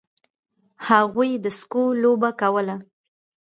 هغوی د سکو لوبه کوله.